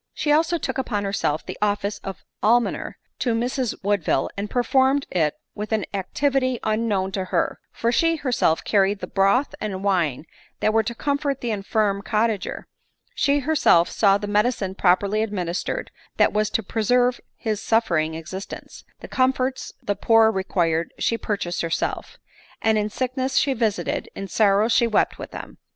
She also took upon herself the office of almoner to Mrs Woodville, and performed it with an activity unknown to her ; for she herself carried the broth and wine that were to comfort the infirm cottager ; she herself saw the medicine properly administered that was to preserve his suffering existence ; the comforts the poor required she purchased herself; and in sickness she visited, in sorrow she wept with them.